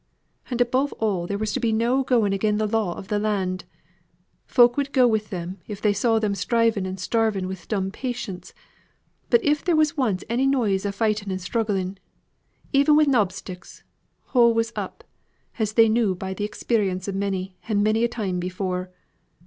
And above all there was to be no going again the law of the land. Folk would go with them if they saw them striving and starving wi' dumb patience; but if there was once any noise o' fighting and struggling even wi' knobsticks all was up, as they know by th' experience of many, and many a time before.